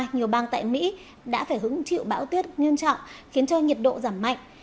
nhiều bang tại mỹ đã phải hứng chịu bão tuyết nghiêm trọng khiến cho nhiệt độ giảm mạnh